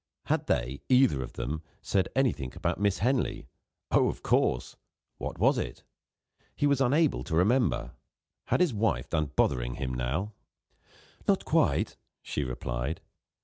Had they, either of them, said anything about Miss Henley? Oh, of course! What was it? He was unable to remember. Had his wife done bothering him, now? "Not quite," she replied.